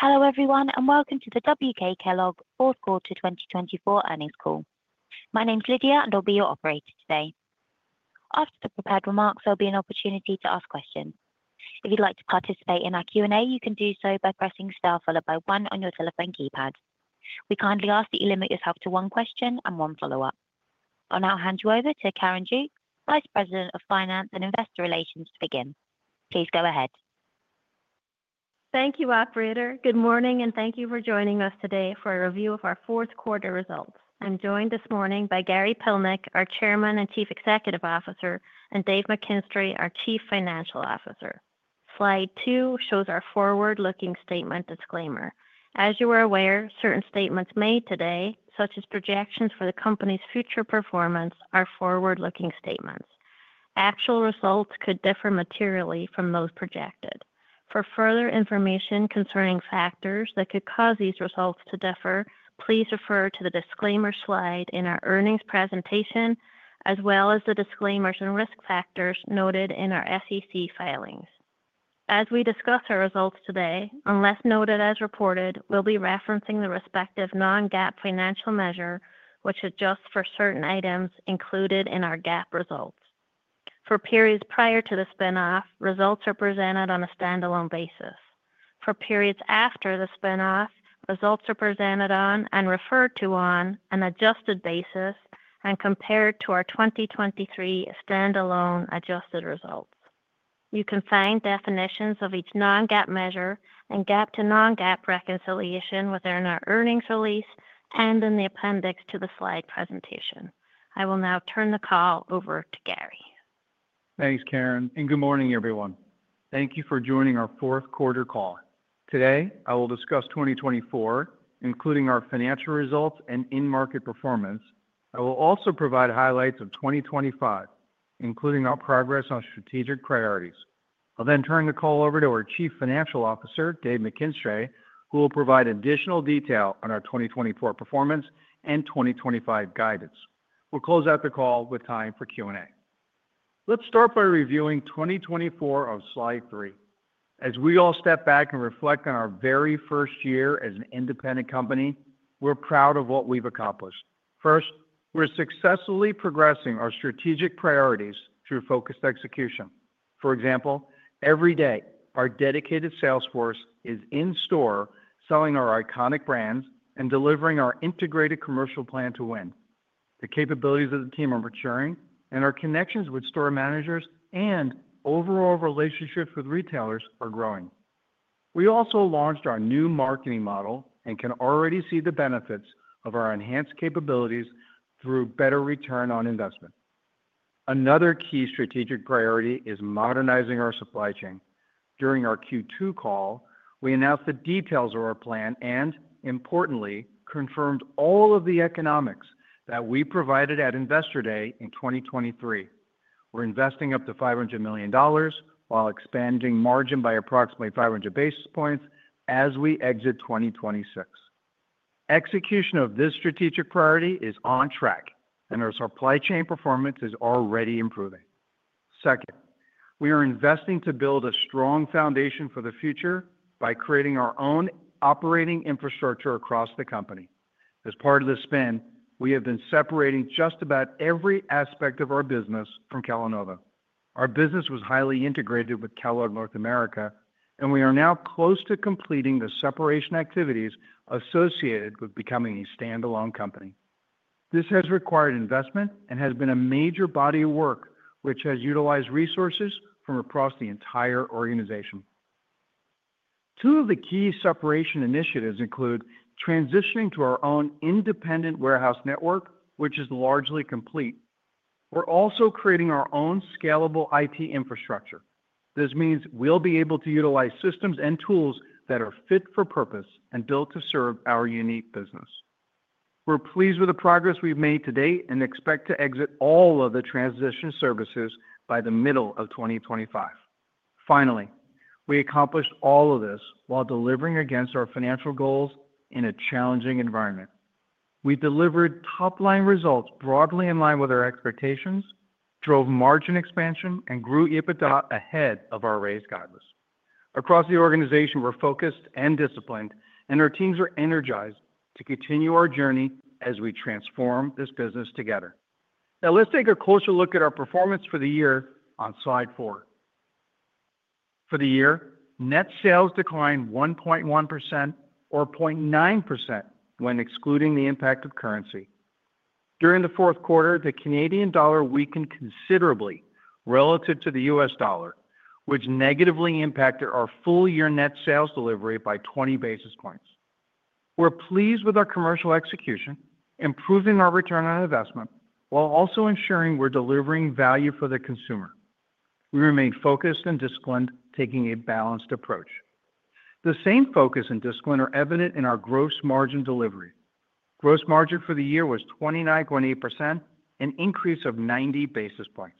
Hello everyone, and welcome to the WK Kellogg 4th Quarter 2024 Earnings Call. My name's Lydia, and I'll be your operator today. After the prepared remarks, there'll be an opportunity to ask questions. If you'd like to participate in our Q&A, you can do so by pressing star followed by one on your telephone keypad. We kindly ask that you limit yourself to one question and one follow-up. I'll now hand you over to Karen Duke, Vice President of Finance and Investor Relations, to begin. Please go ahead. Thank you, Operator. Good morning, and thank you for joining us today for a review of our fourth quarter results. I'm joined this morning by Gary Pilnick, our Chairman and Chief Executive Officer, and Dave McKinstray, our Chief Financial Officer. Slide two shows our forward-looking statement disclaimer. As you are aware, certain statements made today, such as projections for the company's future performance, are forward-looking statements. Actual results could differ materially from those projected. For further information concerning factors that could cause these results to differ, please refer to the disclaimer slide in our earnings presentation, as well as the disclaimers and risk factors noted in our SEC filings. As we discuss our results today, unless noted as reported, we'll be referencing the respective non-GAAP financial measure, which adjusts for certain items included in our GAAP results. For periods prior to the spinoff, results are presented on a standalone basis. For periods after the spinoff, results are presented on and referred to on an adjusted basis and compared to our 2023 standalone adjusted results. You can find definitions of each non-GAAP measure and GAAP to non-GAAP reconciliation within our earnings release and in the appendix to the slide presentation. I will now turn the call over to Gary. Thanks, Karen, and good morning, everyone. Thank you for joining our fourth quarter call. Today, I will discuss 2024, including our financial results and in-market performance. I will also provide highlights of 2025, including our progress on strategic priorities. I'll then turn the call over to our Chief Financial Officer, Dave McKinstray, who will provide additional detail on our 2024 performance and 2025 guidance. We'll close out the call with time for Q&A. Let's start by reviewing 2024 of slide three. As we all step back and reflect on our very first year as an independent company, we're proud of what we've accomplished. First, we're successfully progressing our strategic priorities through focused execution. For example, every day, our dedicated sales force is in store selling our iconic brands and delivering our integrated commercial plan to win. The capabilities of the team are maturing, and our connections with store managers and overall relationships with retailers are growing. We also launched our new marketing model and can already see the benefits of our enhanced capabilities through better return on investment. Another key strategic priority is modernizing our supply chain. During our Q2 call, we announced the details of our plan and, importantly, confirmed all of the economics that we provided at Investor Day in 2023. We're investing up to $500 million while expanding margin by approximately 500 basis points as we exit 2026. Execution of this strategic priority is on track, and our supply chain performance is already improving. Second, we are investing to build a strong foundation for the future by creating our own operating infrastructure across the company. As part of the spin, we have been separating just about every aspect of our business from Kellanova. Our business was highly integrated with Kellogg North America, and we are now close to completing the separation activities associated with becoming a standalone company. This has required investment and has been a major body of work, which has utilized resources from across the entire organization. Two of the key separation initiatives include transitioning to our own independent warehouse network, which is largely complete. We're also creating our own scalable IT infrastructure. This means we'll be able to utilize systems and tools that are fit for purpose and built to serve our unique business. We're pleased with the progress we've made to date and expect to exit all of the transition services by the middle of 2025. Finally, we accomplished all of this while delivering against our financial goals in a challenging environment. We delivered top-line results broadly in line with our expectations, drove margin expansion, and grew EBITDA ahead of our raised guidance. Across the organization, we're focused and disciplined, and our teams are energized to continue our journey as we transform this business together. Now, let's take a closer look at our performance for the year on slide four. For the year, net sales declined 1.1% or 0.9% when excluding the impact of currency. During the fourth quarter, the Canadian dollar weakened considerably relative to the U.S. dollar, which negatively impacted our full-year net sales delivery by 20 basis points. We're pleased with our commercial execution, improving our return on investment while also ensuring we're delivering value for the consumer. We remain focused and disciplined, taking a balanced approach. The same focus and discipline are evident in our gross margin delivery. Gross margin for the year was 29.8%, an increase of 90 basis points.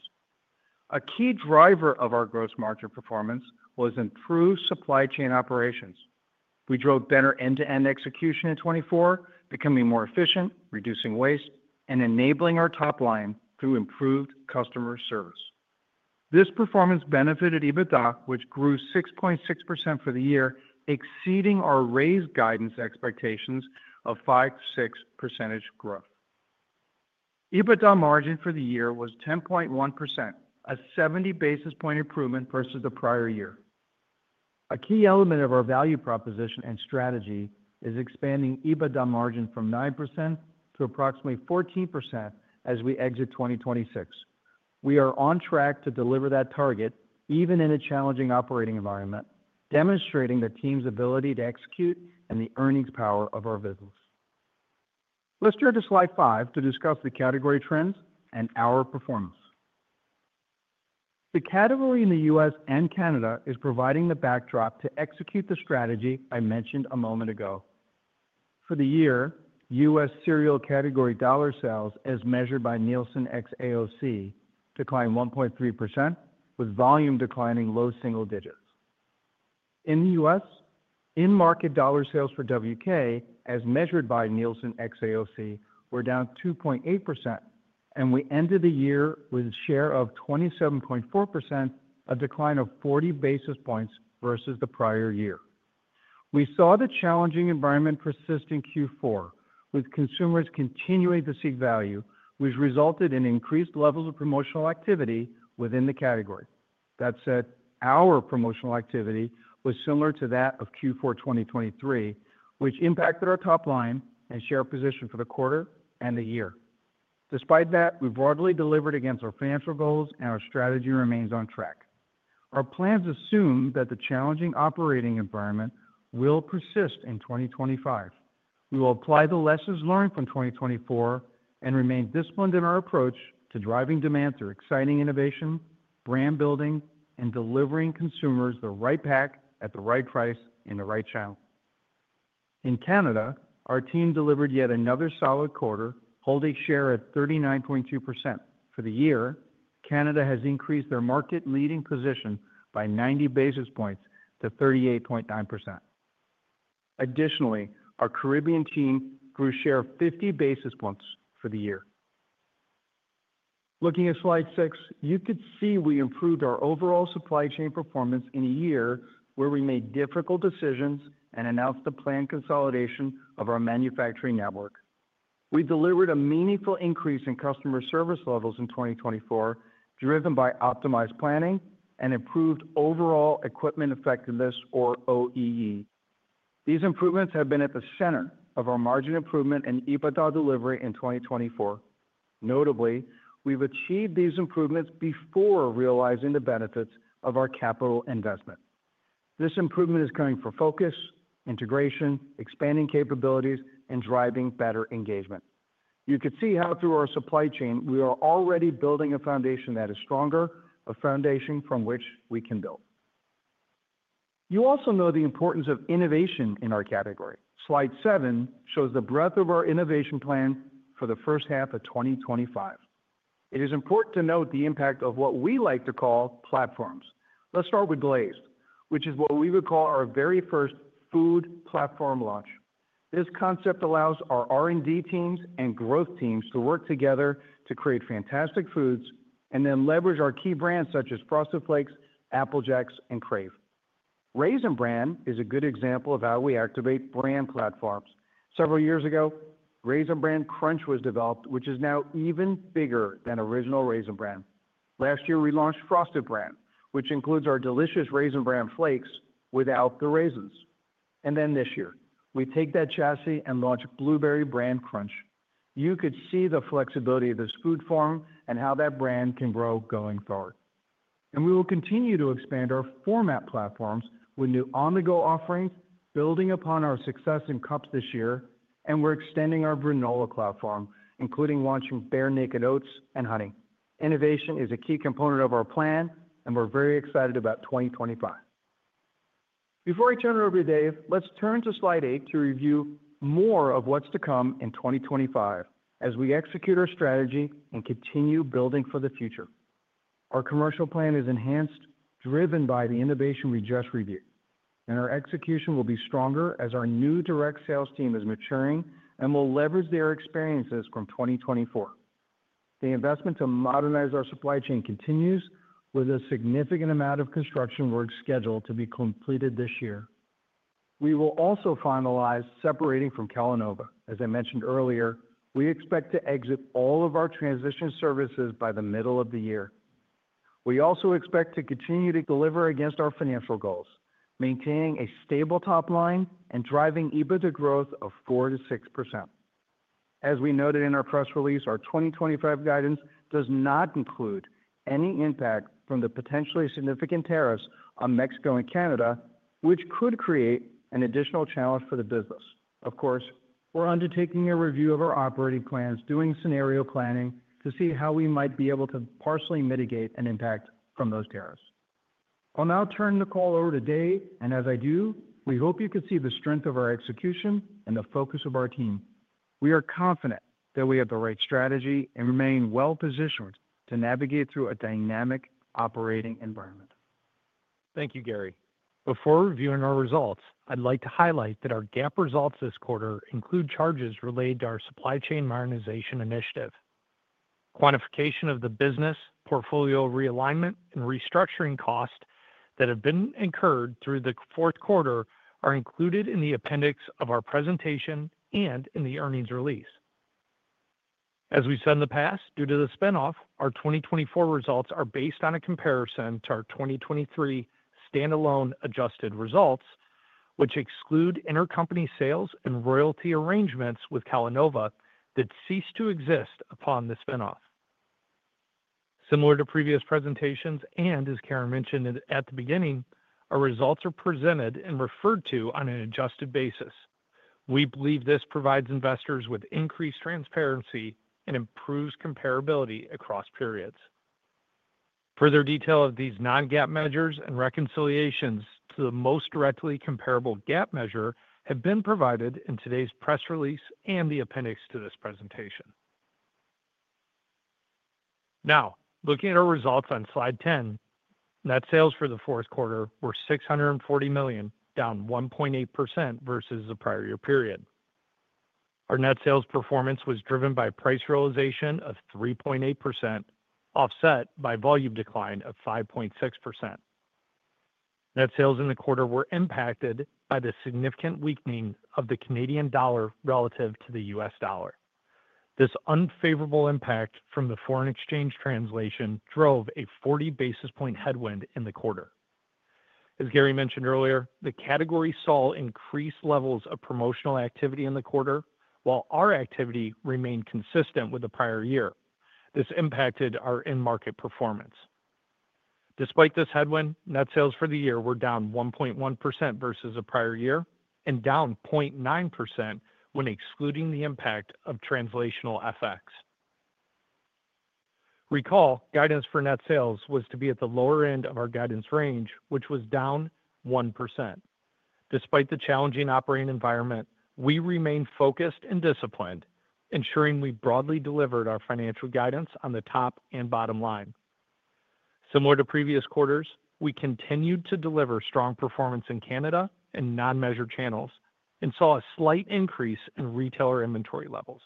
A key driver of our gross margin performance was improved supply chain operations. We drove better end-to-end execution in 2024, becoming more efficient, reducing waste, and enabling our top line through improved customer service. This performance benefited EBITDA, which grew 6.6% for the year, exceeding our raised guidance expectations of 5.6% growth. EBITDA margin for the year was 10.1%, a 70 basis points improvement versus the prior year. A key element of our value proposition and strategy is expanding EBITDA margin from 9% to approximately 14% as we exit 2026. We are on track to deliver that target, even in a challenging operating environment, demonstrating the team's ability to execute and the earnings power of our business. Let's turn to slide five to discuss the category trends and our performance. The category in the U.S. and Canada is providing the backdrop to execute the strategy I mentioned a moment ago. For the year, U.S. cereal category dollar sales, as measured by Nielsen xAOC, declined 1.3%, with volume declining low single digits. In the U.S., in-market dollar sales for WK, as measured by Nielsen xAOC, were down 2.8%, and we ended the year with a share of 27.4%, a decline of 40 basis points versus the prior year. We saw the challenging environment persist in Q4, with consumers continuing to seek value, which resulted in increased levels of promotional activity within the category. That said, our promotional activity was similar to that of Q4 2023, which impacted our top line and share position for the quarter and the year. Despite that, we broadly delivered against our financial goals, and our strategy remains on track. Our plans assume that the challenging operating environment will persist in 2025. We will apply the lessons learned from 2024 and remain disciplined in our approach to driving demand through exciting innovation, brand building, and delivering consumers the right pack at the right price in the right channel. In Canada, our team delivered yet another solid quarter, holding share at 39.2%. For the year, Canada has increased their market leading position by 90 basis points to 38.9%. Additionally, our Caribbean team grew share 50 basis points for the year. Looking at slide six, you could see we improved our overall supply chain performance in a year where we made difficult decisions and announced the planned consolidation of our manufacturing network. We delivered a meaningful increase in customer service levels in 2024, driven by optimized planning and improved overall equipment effectiveness, or OEE. These improvements have been at the center of our margin improvement and EBITDA delivery in 2024. Notably, we've achieved these improvements before realizing the benefits of our capital investment. This improvement is coming for focus, integration, expanding capabilities, and driving better engagement. You could see how, through our supply chain, we are already building a foundation that is stronger, a foundation from which we can build. You also know the importance of innovation in our category. Slide seven shows the breadth of our innovation plan for the first half of 2025. It is important to note the impact of what we like to call platforms. Let's start with glazed, which is what we would call our very first food platform launch. This concept allows our R&D teams and growth teams to work together to create fantastic foods and then leverage our key brands such as Frosted Flakes, Apple Jacks, and Krave. Raisin Bran is a good example of how we activate brand platforms. Several years ago, Raisin Bran Crunch was developed, which is now even bigger than original Raisin Bran. Last year, we launched Frosted Bran, which includes our delicious Raisin Bran flakes without the raisins. And then this year, we take that chassis and launch Blueberry Bran Crunch. You could see the flexibility of this food form and how that brand can grow going forward. And we will continue to expand our format platforms with new on-the-go offerings, building upon our success in cups this year, and we're extending our granola platform, including launching Bear Naked Oats & Honey. Innovation is a key component of our plan, and we're very excited about 2025. Before I turn it over to Dave, let's turn to slide eight to review more of what's to come in 2025 as we execute our strategy and continue building for the future. Our commercial plan is enhanced, driven by the innovation we just reviewed, and our execution will be stronger as our new direct sales team is maturing and will leverage their experiences from 2024. The investment to modernize our supply chain continues, with a significant amount of construction work scheduled to be completed this year. We will also finalize separating from Kellanova. As I mentioned earlier, we expect to exit all of our transition services by the middle of the year. We also expect to continue to deliver against our financial goals, maintaining a stable top line and driving EBITDA growth of 4% to 6%. As we noted in our press release, our 2025 guidance does not include any impact from the potentially significant tariffs on Mexico and Canada, which could create an additional challenge for the business. Of course, we're undertaking a review of our operating plans, doing scenario planning to see how we might be able to partially mitigate an impact from those tariffs. I'll now turn the call over to Dave, and as I do, we hope you could see the strength of our execution and the focus of our team. We are confident that we have the right strategy and remain well-positioned to navigate through a dynamic operating environment. Thank you, Gary. Before reviewing our results, I'd like to highlight that our GAAP results this quarter include charges related to our supply chain modernization initiative. Quantification of the business portfolio realignment and restructuring costs that have been incurred through the fourth quarter are included in the appendix of our presentation and in the earnings release. As we said in the past, due to the spinoff, our 2024 results are based on a comparison to our 2023 standalone adjusted results, which exclude intercompany sales and royalty arrangements with Kellanova that ceased to exist upon the spinoff. Similar to previous presentations, and as Karen mentioned at the beginning, our results are presented and referred to on an adjusted basis. We believe this provides investors with increased transparency and improves comparability across periods. Further detail of these non-GAAP measures and reconciliations to the most directly comparable GAAP measure have been provided in today's press release and the appendix to this presentation. Now, looking at our results on slide 10, net sales for the fourth quarter were $640 million, down 1.8% versus the prior year period. Our net sales performance was driven by price realization of 3.8%, offset by volume decline of 5.6%. Net sales in the quarter were impacted by the significant weakening of the Canadian dollar relative to the US dollar. This unfavorable impact from the foreign exchange translation drove a 40 basis point headwind in the quarter. As Gary mentioned earlier, the category saw increased levels of promotional activity in the quarter, while our activity remained consistent with the prior year. This impacted our in-market performance. Despite this headwind, net sales for the year were down 1.1% versus the prior year and down 0.9% when excluding the impact of translational effects. Recall, guidance for net sales was to be at the lower end of our guidance range, which was down 1%. Despite the challenging operating environment, we remained focused and disciplined, ensuring we broadly delivered our financial guidance on the top and bottom line. Similar to previous quarters, we continued to deliver strong performance in Canada and non-measured channels and saw a slight increase in retailer inventory levels.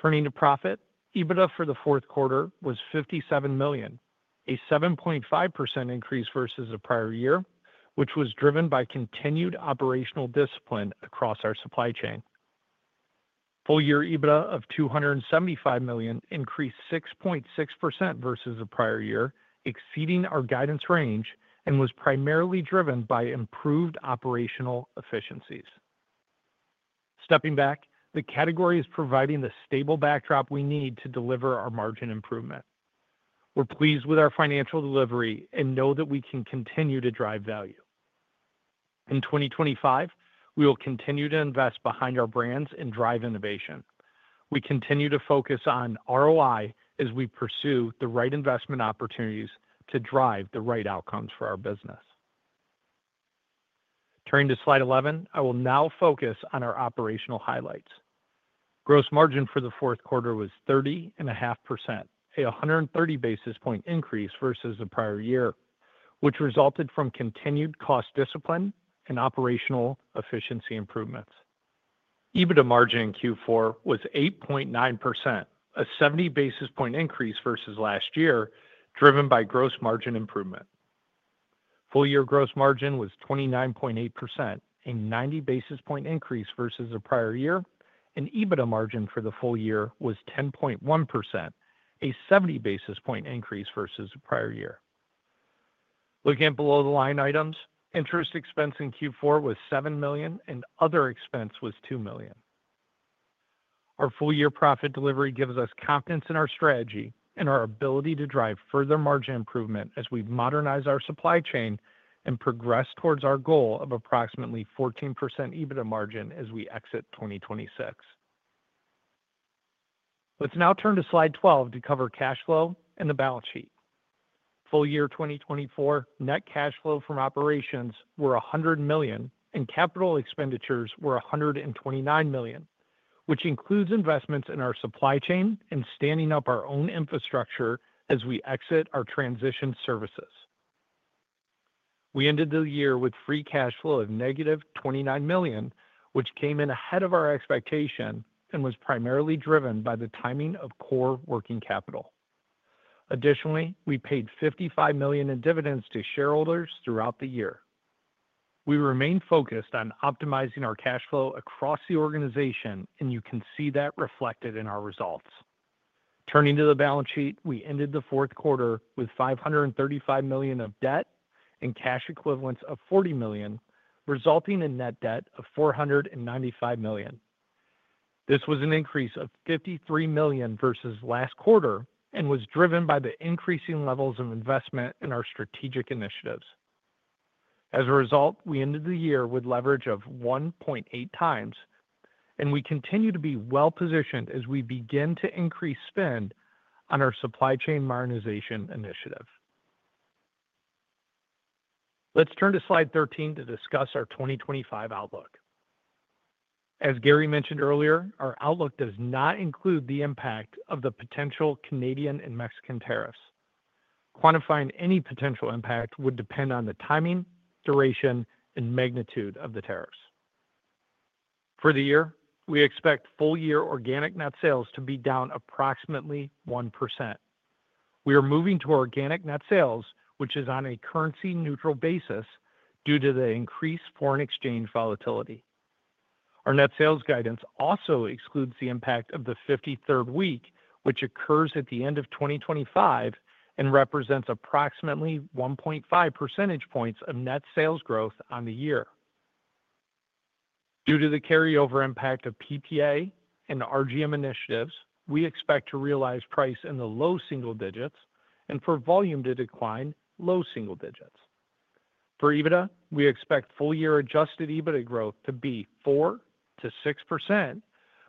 Turning to profit, EBITDA for the fourth quarter was $57 million, a 7.5% increase versus the prior year, which was driven by continued operational discipline across our supply chain. Full-year EBITDA of $275 million increased 6.6% versus the prior year, exceeding our guidance range and was primarily driven by improved operational efficiencies. Stepping back, the category is providing the stable backdrop we need to deliver our margin improvement. We're pleased with our financial delivery and know that we can continue to drive value. In 2025, we will continue to invest behind our brands and drive innovation. We continue to focus on ROI as we pursue the right investment opportunities to drive the right outcomes for our business. Turning to slide 11, I will now focus on our operational highlights. Gross margin for the fourth quarter was 30.5%, a 130 basis point increase versus the prior year, which resulted from continued cost discipline and operational efficiency improvements. EBITDA margin in Q4 was 8.9%, a 70 basis point increase versus last year, driven by gross margin improvement. Full-year gross margin was 29.8%, a 90 basis point increase versus the prior year, and EBITDA margin for the full year was 10.1%, a 70 basis point increase versus the prior year. Looking at below-the-line items, interest expense in Q4 was $7 million and other expense was $2 million. Our full-year profit delivery gives us confidence in our strategy and our ability to drive further margin improvement as we modernize our supply chain and progress towards our goal of approximately 14% EBITDA margin as we exit 2026. Let's now turn to slide 12 to cover cash flow and the balance sheet. Full-year 2024 net cash flow from operations were $100 million and capital expenditures were $129 million, which includes investments in our supply chain and standing up our own infrastructure as we exit our transition services. We ended the year with free cash flow of negative $29 million, which came in ahead of our expectation and was primarily driven by the timing of core working capital. Additionally, we paid $55 million in dividends to shareholders throughout the year. We remained focused on optimizing our cash flow across the organization, and you can see that reflected in our results. Turning to the balance sheet, we ended the fourth quarter with $535 million of debt and cash equivalents of $40 million, resulting in net debt of $495 million. This was an increase of $53 million versus last quarter and was driven by the increasing levels of investment in our strategic initiatives. As a result, we ended the year with leverage of 1.8 times, and we continue to be well-positioned as we begin to increase spend on our supply chain modernization initiative. Let's turn to slide 13 to discuss our 2025 outlook. As Gary mentioned earlier, our outlook does not include the impact of the potential Canadian and Mexican tariffs. Quantifying any potential impact would depend on the timing, duration, and magnitude of the tariffs. For the year, we expect full-year organic net sales to be down approximately 1%. We are moving to organic net sales, which is on a currency-neutral basis due to the increased foreign exchange volatility. Our net sales guidance also excludes the impact of the 53rd week, which occurs at the end of 2025 and represents approximately 1.5 percentage points of net sales growth on the year. Due to the carryover impact of PPA and RGM initiatives, we expect to realize price in the low single digits and for volume to decline low single digits. For EBITDA, we expect full-year adjusted EBITDA growth to be 4%-6%,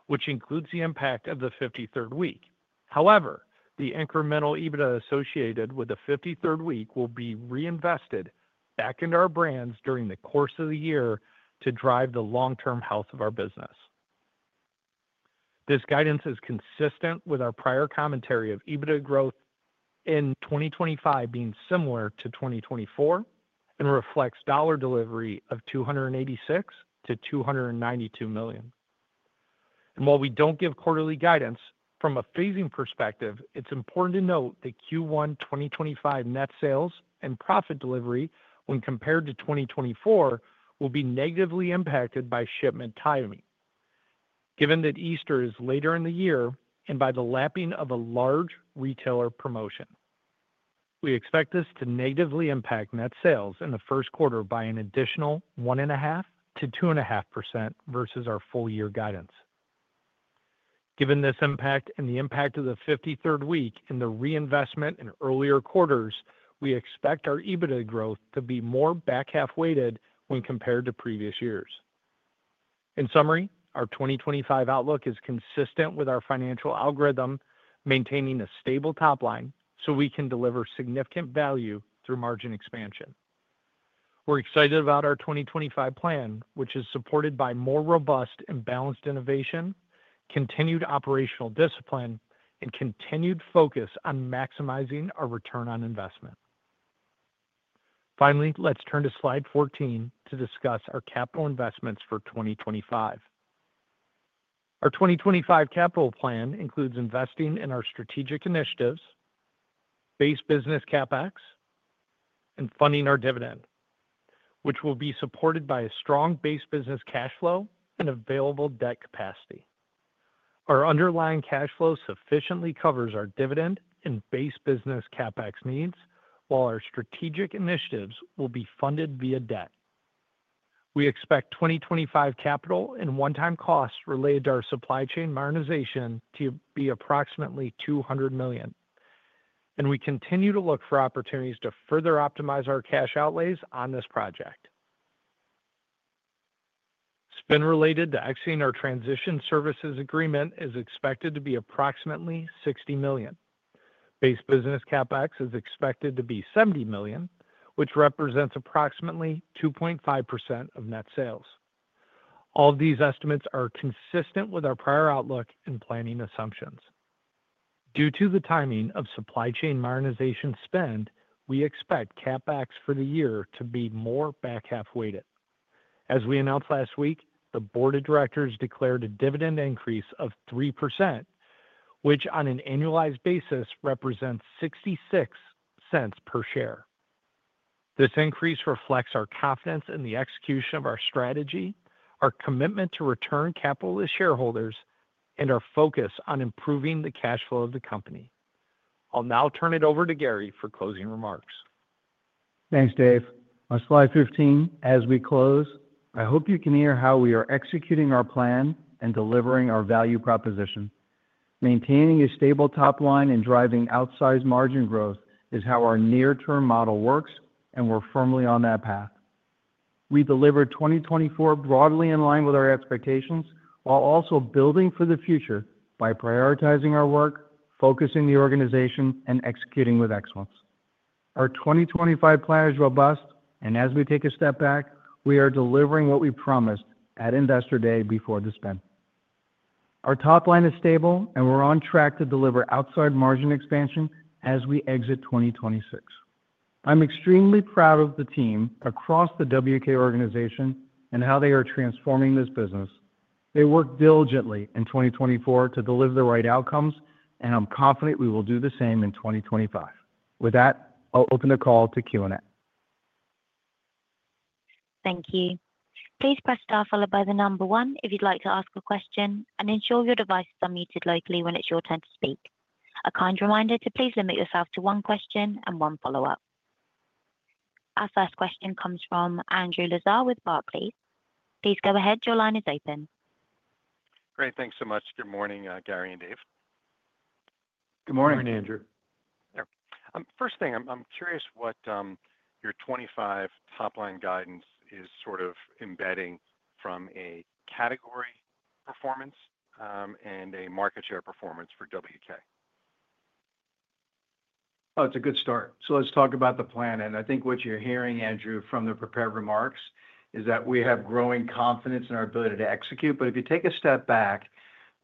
which includes the impact of the 53rd week. However, the incremental EBITDA associated with the 53rd week will be reinvested back into our brands during the course of the year to drive the long-term health of our business. This guidance is consistent with our prior commentary of EBITDA growth in 2025 being similar to 2024 and reflects dollar delivery of $286 million-$292 million, and while we don't give quarterly guidance from a phasing perspective, it's important to note that Q1 2025 net sales and profit delivery when compared to 2024 will be negatively impacted by shipment timing, given that Easter is later in the year and by the lapping of a large retailer promotion. We expect this to negatively impact net sales in the first quarter by an additional 1.5%-2.5% versus our full-year guidance. Given this impact and the impact of the 53rd week in the reinvestment in earlier quarters, we expect our EBITDA growth to be more back half-weighted when compared to previous years. In summary, our 2025 outlook is consistent with our financial algorithm, maintaining a stable top line so we can deliver significant value through margin expansion. We're excited about our 2025 plan, which is supported by more robust and balanced innovation, continued operational discipline, and continued focus on maximizing our return on investment. Finally, let's turn to slide 14 to discuss our capital investments for 2025. Our 2025 capital plan includes investing in our strategic initiatives, base business CapEx, and funding our dividend, which will be supported by a strong base business cash flow and available debt capacity. Our underlying cash flow sufficiently covers our dividend and base business CapEx needs, while our strategic initiatives will be funded via debt. We expect 2025 capital and one-time costs related to our supply chain modernization to be approximately $200 million, and we continue to look for opportunities to further optimize our cash outlays on this project. Spend related to exiting our Transition Services Agreement is expected to be approximately $60 million. Base business CapEx is expected to be $70 million, which represents approximately 2.5% of net sales. All of these estimates are consistent with our prior outlook and planning assumptions. Due to the timing of supply chain modernization spend, we expect CapEx for the year to be more back half-weighted. As we announced last week, the board of directors declared a dividend increase of 3%, which on an annualized basis represents $0.66 per share. This increase reflects our confidence in the execution of our strategy, our commitment to return capital to shareholders, and our focus on improving the cash flow of the company. I'll now turn it over to Gary for closing remarks. Thanks, Dave. On slide 15, as we close, I hope you can hear how we are executing our plan and delivering our value proposition. Maintaining a stable top line and driving outsized margin growth is how our near-term model works, and we're firmly on that path. We deliver 2024 broadly in line with our expectations while also building for the future by prioritizing our work, focusing the organization, and executing with excellence. Our 2025 plan is robust, and as we take a step back, we are delivering what we promised at investor day before the spin. Our top line is stable, and we're on track to deliver upside margin expansion as we exit 2026. I'm extremely proud of the team across the WK organization and how they are transforming this business. They worked diligently in 2024 to deliver the right outcomes, and I'm confident we will do the same in 2025. With that, I'll open the call to Q&A. Thank you. Please press star followed by the number one if you'd like to ask a question, and ensure your device is unmuted locally when it's your turn to speak. A kind reminder to please limit yourself to one question and one follow-up. Our first question comes from Andrew Lazar with Barclays. Please go ahead. Your line is open. Great. Thanks so much. Good morning, Gary and Dave. Good morning, Andrew. First thing, I'm curious what your 25 top line guidance is sort of embedding from a category performance and a market share performance for WK. Oh, it's a good start. So let's talk about the plan. And I think what you're hearing, Andrew, from the prepared remarks is that we have growing confidence in our ability to execute. But if you take a step back,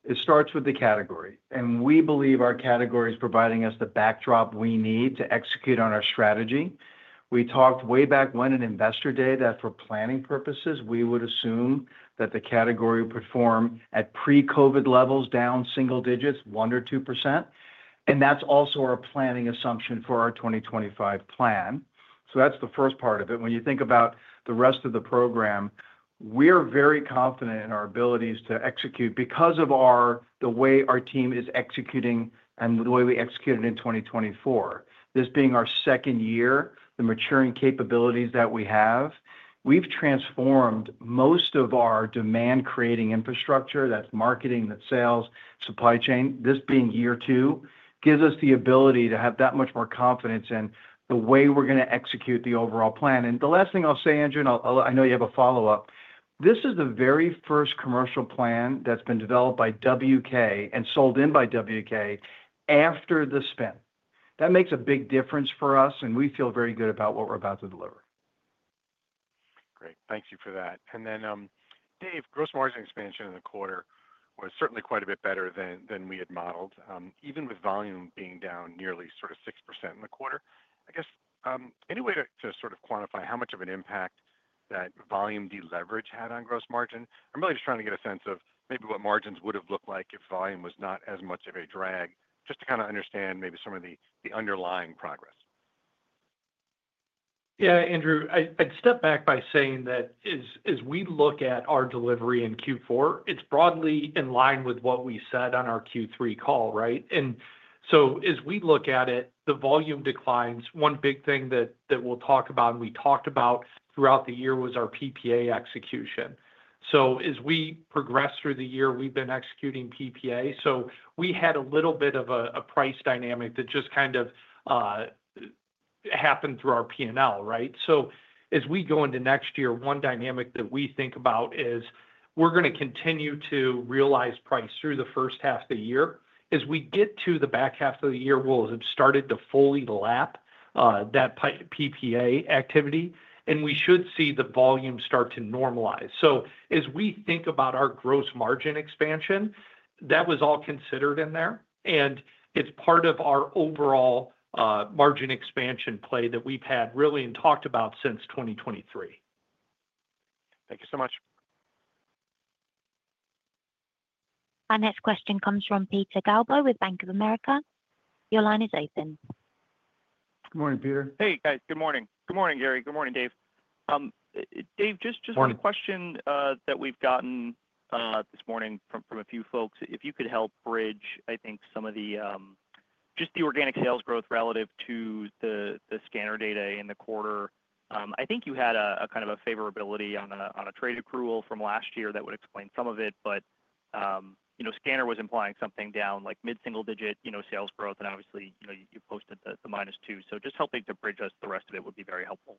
it starts with the category. And we believe our category is providing us the backdrop we need to execute on our strategy. We talked way back when in investor day that for planning purposes, we would assume that the category would perform at pre-COVID levels down single digits, one or two%. And that's also our planning assumption for our 2025 plan. So that's the first part of it. When you think about the rest of the program, we're very confident in our abilities to execute because of the way our team is executing and the way we executed in 2024. This being our second year, the maturing capabilities that we have, we've transformed most of our demand-creating infrastructure. That's marketing, that's sales, supply chain. This being year two, gives us the ability to have that much more confidence in the way we're going to execute the overall plan. And the last thing I'll say, Andrew, and I know you have a follow-up, this is the very first commercial plan that's been developed by WK and sold in by WK after the spin. That makes a big difference for us, and we feel very good about what we're about to deliver. Great. Thank you for that. And then, Dave, gross margin expansion in the quarter was certainly quite a bit better than we had modeled, even with volume being down nearly sort of 6% in the quarter. I guess any way to sort of quantify how much of an impact that volume deleverage had on gross margin? I'm really just trying to get a sense of maybe what margins would have looked like if volume was not as much of a drag, just to kind of understand maybe some of the underlying progress. Yeah, Andrew, I'd step back by saying that as we look at our delivery in Q4, it's broadly in line with what we said on our Q3 call, right? And so as we look at it, the volume declines. One big thing that we'll talk about, and we talked about throughout the year, was our PPA execution. So as we progressed through the year, we've been executing PPA. So we had a little bit of a price dynamic that just kind of happened through our P&L, right? So as we go into next year, one dynamic that we think about is we're going to continue to realize price through the first half of the year. As we get to the back half of the year, we'll have started to fully lap that PPA activity, and we should see the volume start to normalize. So as we think about our gross margin expansion, that was all considered in there, and it's part of our overall margin expansion play that we've had really and talked about since 2023. Thank you so much. Our next question comes from Peter Galbo with Bank of America. Your line is open. Good morning, Peter. Hey, guys. Good morning. Good morning, Gary. Good morning, Dave. Dave, just a question that we've gotten this morning from a few folks. If you could help bridge, I think, some of just the organic sales growth relative to the scanner data in the quarter, I think you had a kind of a favorability on a trade accrual from last year that would explain some of it. But scanner data was implying something down like mid-single digit sales growth, and obviously, you posted the minus two. So just helping to bridge us the rest of it would be very helpful.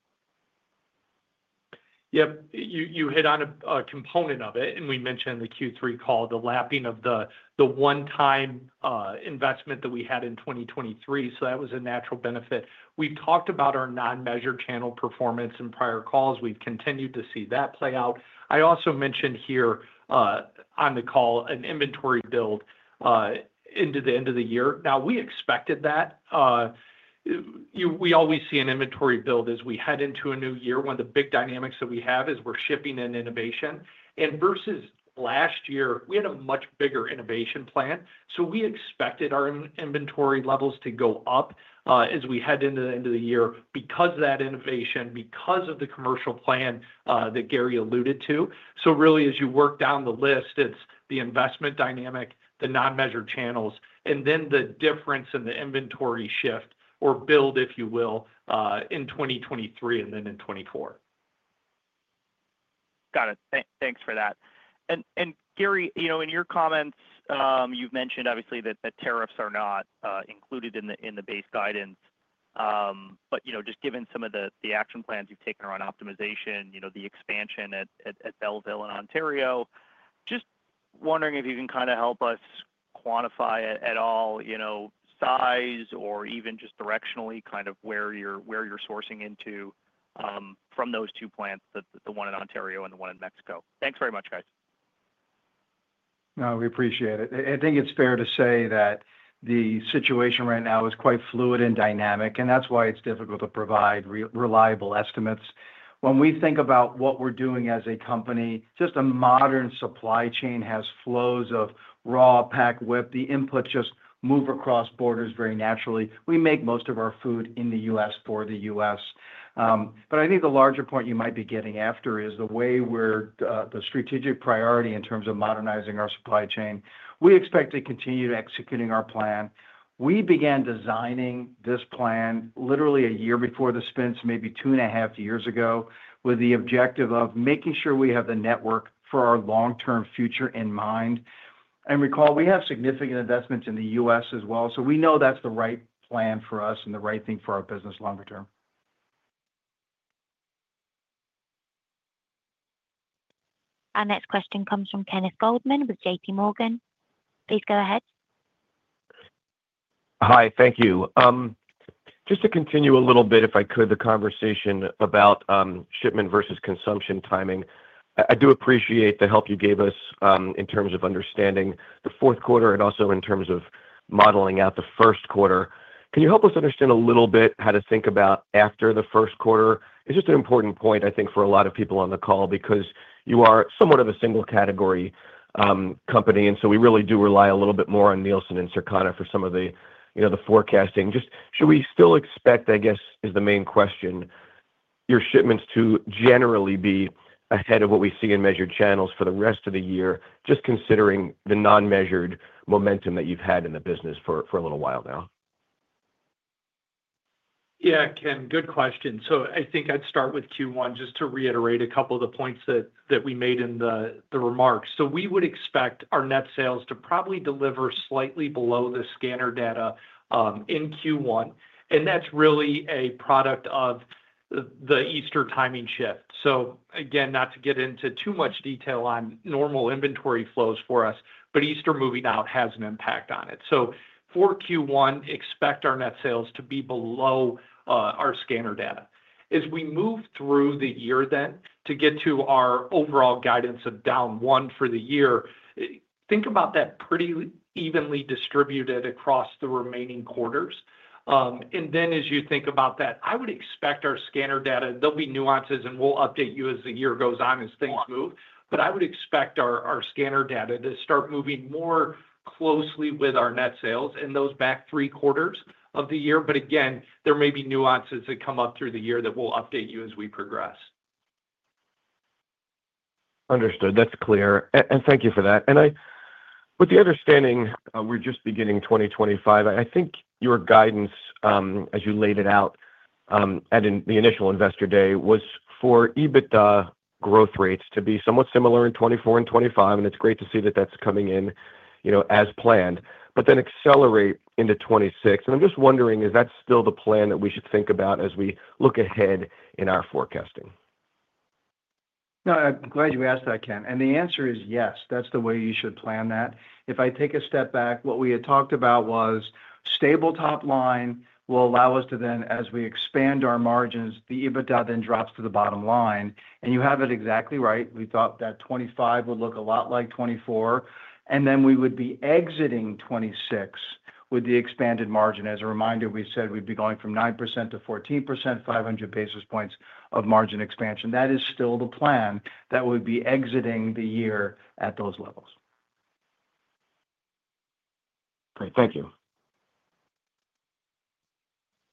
Yep. You hit on a component of it, and we mentioned the Q3 call, the lapping of the one-time investment that we had in 2023. So that was a natural benefit. We've talked about our non-measured channel performance in prior calls. We've continued to see that play out. I also mentioned here on the call an inventory build into the end of the year. Now, we expected that. We always see an inventory build as we head into a new year when the big dynamics that we have is we're shipping in innovation. Versus last year, we had a much bigger innovation plan. So we expected our inventory levels to go up as we head into the end of the year because of that innovation, because of the commercial plan that Gary alluded to. Really, as you work down the list, it's the investment dynamic, the non-measured channels, and then the difference in the inventory shift or build, if you will, in 2023 and then in 2024. Got it. Thanks for that. Gary, in your comments, you've mentioned obviously that tariffs are not included in the base guidance. But just given some of the action plans you've taken around optimization, the expansion at Belleville, Ontario. Just wondering if you can kind of help us quantify at all size or even just directionally kind of where you're sourcing into from those two plants, the one in Ontario and the one in Mexico. Thanks very much, guys. No, we appreciate it. I think it's fair to say that the situation right now is quite fluid and dynamic, and that's why it's difficult to provide reliable estimates. When we think about what we're doing as a company, just a modern supply chain has flows of raw packed wheat. The inputs just move across borders very naturally. We make most of our food in the U.S. for the U.S. But I think the larger point you might be getting after is the way we're the strategic priority in terms of modernizing our supply chain. We expect to continue executing our plan. We began designing this plan literally a year before the spin, maybe two and a half years ago, with the objective of making sure we have the network for our long-term future in mind. And recall, we have significant investments in the U.S. as well. So we know that's the right plan for us and the right thing for our business longer term. Our next question comes from Kenneth Goldman with J.P. Morgan. Please go ahead. Hi. Thank you. Just to continue a little bit, if I could, the conversation about shipment versus consumption timing.I do appreciate the help you gave us in terms of understanding the fourth quarter and also in terms of modeling out the first quarter. Can you help us understand a little bit how to think about after the first quarter? It's just an important point, I think, for a lot of people on the call because you are somewhat of a single category company. And so we really do rely a little bit more on Nielsen and Circana for some of the forecasting. Just should we still expect, I guess, is the main question, your shipments to generally be ahead of what we see in measured channels for the rest of the year, just considering the non-measured momentum that you've had in the business for a little while now? Yeah, Ken, good question. So I think I'd start with Q1 just to reiterate a couple of the points that we made in the remarks. So we would expect our net sales to probably deliver slightly below the Scanner data in Q1. And that's really a product of the Easter timing shift. So again, not to get into too much detail on normal inventory flows for us, but Easter moving out has an impact on it. So for Q1, expect our net sales to be below our Scanner data. As we move through the year then to get to our overall guidance of down one for the year, think about that pretty evenly distributed across the remaining quarters. And then as you think about that, I would expect our Scanner data, there'll be nuances, and we'll update you as the year goes on as things move. But I would expect our Scanner data to start moving more closely with our net sales in those back three quarters of the year. But again, there may be nuances that come up through the year that we'll update you as we progress. Understood. That's clear. And thank you for that. And with the understanding we're just beginning 2025, I think your guidance, as you laid it out at the initial investor day, was for EBITDA growth rates to be somewhat similar in 2024 and 2025. And it's great to see that that's coming in as planned, but then accelerate into 2026. And I'm just wondering, is that still the plan that we should think about as we look ahead in our forecasting? No, I'm glad you asked that, Ken. And the answer is yes. That's the way you should plan that. If I take a step back, what we had talked about was stable top line will allow us to then, as we expand our margins, the EBITDA then drops to the bottom line. You have it exactly right. We thought that 2025 would look a lot like 2024. Then we would be exiting 2026 with the expanded margin. As a reminder, we said we'd be going from 9% to 14%, 500 basis points of margin expansion. That is still the plan that we'd be exiting the year at those levels. Great.Thank you.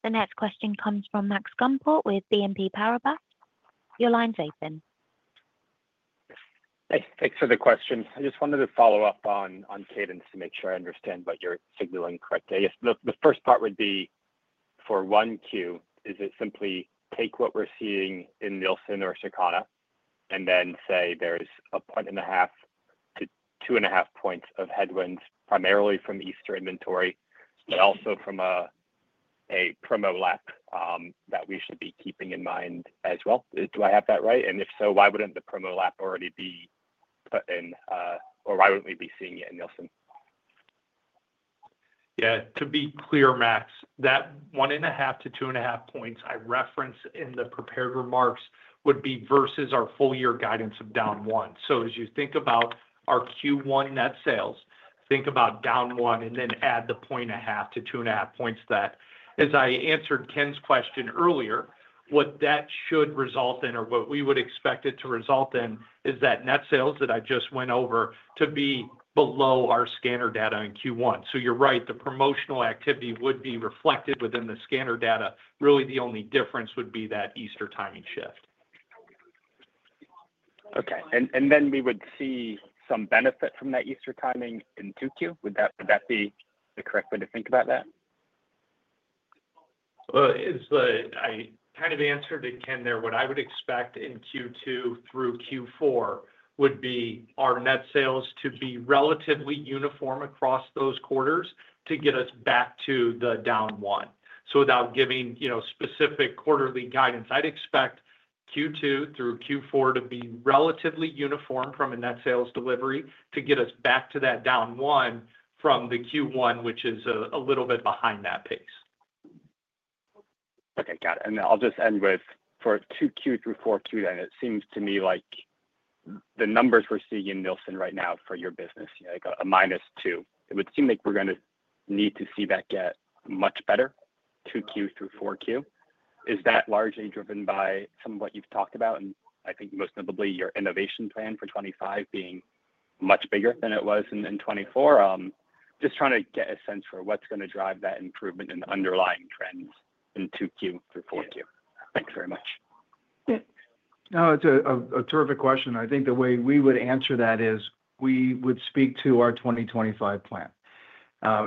The next question comes from Max Gumport with BNP Paribas. Your line's open. Thanks for the question. I just wanted to follow up on cadence to make sure I understand what you're signaling correctly. I guess the first part would be for Q1, is it simply take what we're seeing in Nielsen or Circana and then say there's 1.5 - 2.5 points of headwinds primarily from Easter inventory, but also from a promo lap that we should be keeping in mind as well? Do I have that right? And if so, why wouldn't the promo lap already be put in, or why wouldn't we be seeing it in Nielsen? Yeah. To be clear, Max, that 1.5 - 2.5 points I referenced in the prepared remarks would be versus our full year guidance of down one. So as you think about our Q1 net sales, think about down one and then add the 1.5 to 2.5 points that, as I answered Ken's question earlier, what that should result in or what we would expect it to result in is that net sales that I just went over to be below our Scanner data in Q1. So you're right. The promotional activity would be reflected within the Scanner data. Really, the only difference would be that Easter timing shift. Okay. And then we would see some benefit from that Easter timing in Q2. Would that be the correct way to think about that? Well, I kind of answered it, Ken, there. What I would expect in Q2 through Q4 would be our net sales to be relatively uniform across those quarters to get us back to the down one. So without giving specific quarterly guidance, I'd expect Q2 through Q4 to be relatively uniform from a net sales delivery to get us back to that down one from the Q1, which is a little bit behind that pace. Okay. Got it. And I'll just end with, for Q2 through Q4 then, it seems to me like the numbers we're seeing in Nielsen right now for your business, like a minus two, it would seem like we're going to need to see that get much better Q2 through Q4. Is that largely driven by some of what you've talked about? And I think most notably, your innovation plan for 2025 being much bigger than it was in 2024. Just trying to get a sense for what's going to drive that improvement in underlying trends in Q2 through Q4. Thanks very much. No, it's a terrific question. I think the way we would answer that is we would speak to our 2025 plan.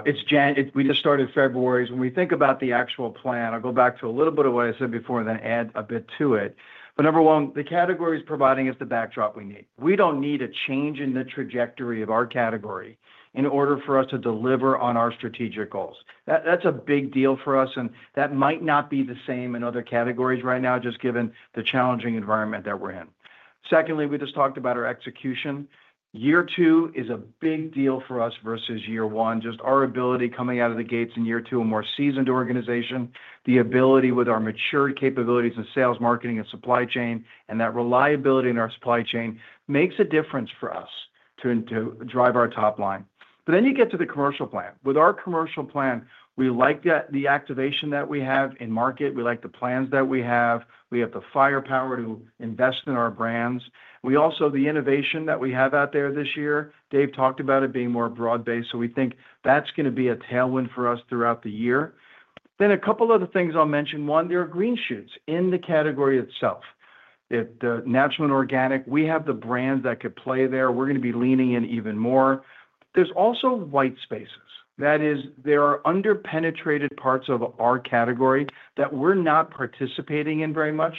We just started February. When we think about the actual plan, I'll go back to a little bit of what I said before and then add a bit to it. But number one, the category is providing us the backdrop we need. We don't need a change in the trajectory of our category in order for us to deliver on our strategic goals. That's a big deal for us, and that might not be the same in other categories right now, just given the challenging environment that we're in. Secondly, we just talked about our execution. Year two is a big deal for us versus year one. Just our ability coming out of the gates in year two, a more seasoned organization, the ability with our matured capabilities in sales, marketing, and supply chain, and that reliability in our supply chain makes a difference for us to drive our top line. But then you get to the commercial plan. With our commercial plan, we like the activation that we have in market. We like the plans that we have. We have the firepower to invest in our brands. We also have the innovation that we have out there this year. Dave talked about it being more broad-based. So we think that's going to be a tailwind for us throughout the year. Then a couple of other things I'll mention. One, there are green shoots in the category itself. The natural and organic, we have the brands that could play there. We're going to be leaning in even more. There's also white spaces. That is, there are under-penetrated parts of our category that we're not participating in very much.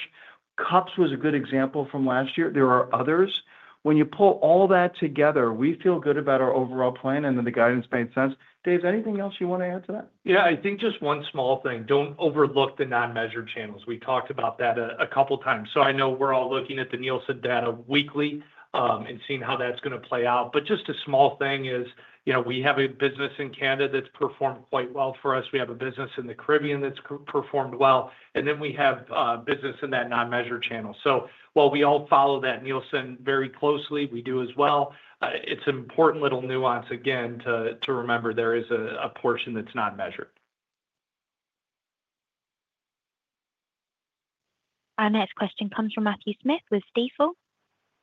Cups was a good example from last year. There are others. When you pull all that together, we feel good about our overall plan, and then the guidance made sense. Dave, anything else you want to add to that? Yeah. I think just one small thing. Don't overlook the non-measured channels. We talked about that a couple of times. So I know we're all looking at the Nielsen data weekly and seeing how that's going to play out. But just a small thing is we have a business in Canada that's performed quite well for us. We have a business in the Caribbean that's performed well. And then we have business in that non-measured channel. So while we all follow that Nielsen very closely, we do as well. It's an important little nuance, again, to remember there is a portion that's not measured. Our next question comes from Matthew Smith with Stifel.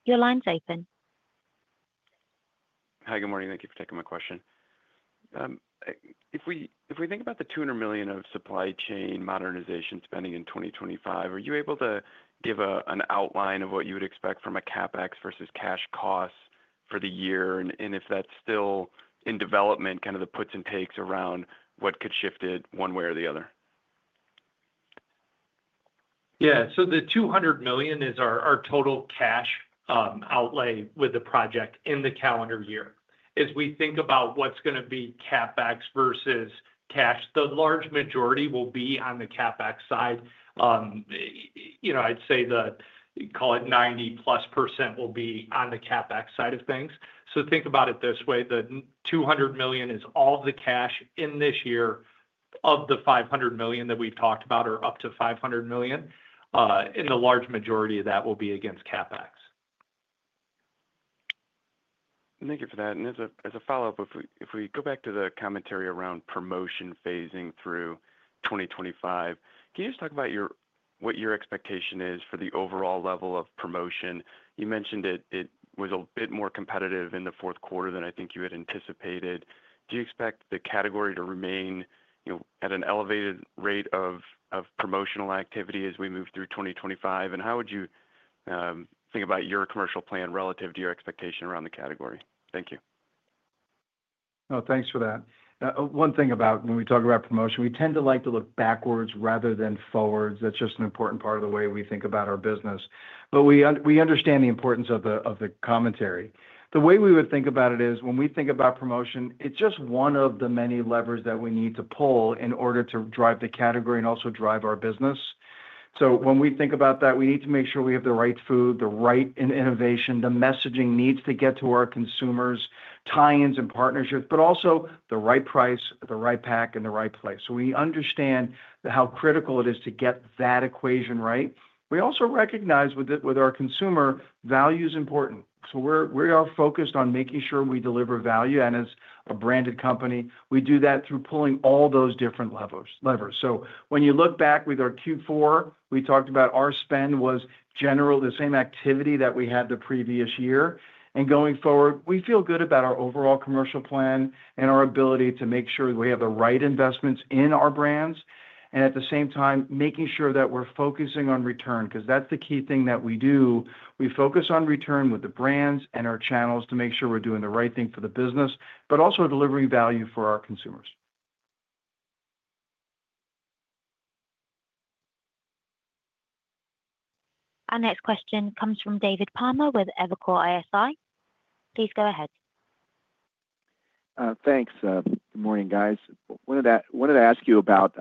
Your line's open. Hi, good morning. Thank you for taking my question. If we think about the $200 million of supply chain modernization spending in 2025, are you able to give an outline of what you would expect from a CapEx versus cash cost for the year? And if that's still in development, kind of the puts and takes around what could shift it one way or the other? Yeah. So the $200 million is our total cash outlay with the project in the calendar year. As we think about what's going to be CapEx versus cash, the large majority will be on the CapEx side. I'd say the, call it 90+% will be on the CapEx side of things. So think about it this way. The $200 million is all the cash in this year of the $500 million that we've talked about or up to $500 million. And the large majority of that will be against CapEx. Thank you for that. And as a follow-up, if we go back to the commentary around promotion phasing through 2025, can you just talk about what your expectation is for the overall level of promotion? You mentioned it was a bit more competitive in the fourth quarter than I think you had anticipated. Do you expect the category to remain at an elevated rate of promotional activity as we move through 2025? And how would you think about your commercial plan relative to your expectation around the category? Thank you. No, thanks for that. One thing about when we talk about promotion, we tend to like to look backwards rather than forwards. That's just an important part of the way we think about our business. But we understand the importance of the commentary. The way we would think about it is when we think about promotion, it's just one of the many levers that we need to pull in order to drive the category and also drive our business. So when we think about that, we need to make sure we have the right food, the right innovation, the messaging needs to get to our consumers, tie-ins and partnerships, but also the right price, the right pack, and the right place. So we understand how critical it is to get that equation right. We also recognize with our consumer, value is important. So we are focused on making sure we deliver value. And as a branded company, we do that through pulling all those different levers. So when you look back with our Q4, we talked about our spend was general, the same activity that we had the previous year. And going forward, we feel good about our overall commercial plan and our ability to make sure we have the right investments in our brands. And at the same time, making sure that we're focusing on return because that's the key thing that we do. We focus on return with the brands and our channels to make sure we're doing the right thing for the business, but also delivering value for our consumers. Our next question comes from David Palmer with Evercore ISI. Please go ahead. Thanks. Good morning, guys. I wanted to ask you about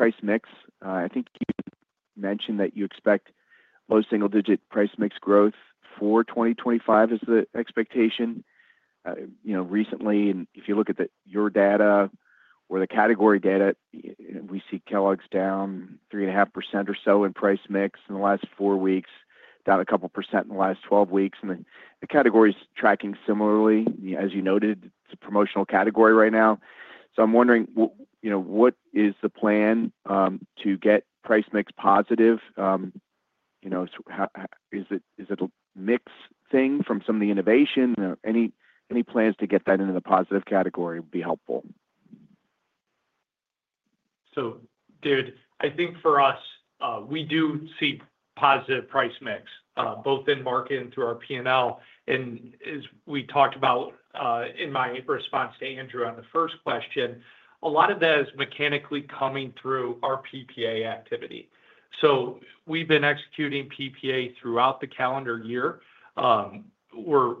price mix. I think you mentioned that you expect low single-digit price mix growth for 2025. Is the expectation. Recently, and if you look at your data or the category data, we see Kellogg's down 3.5% or so in price mix in the last four weeks, down a couple of % in the last 12 weeks. And the category is tracking similarly. As you noted, it's a promotional category right now. So I'm wondering, what is the plan to get price mix positive? Is it a mix thing from some of the innovation? Any plans to get that into the positive category would be helpful. So, David, I think for us, we do see positive price mix, both in market and through our P&L. And as we talked about in my response to Andrew on the first question, a lot of that is mechanically coming through our PPA activity. So we've been executing PPA throughout the calendar year.